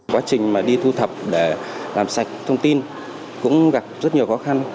quá trình mà đi thu thập để làm sạch thông tin cũng gặp rất nhiều khó khăn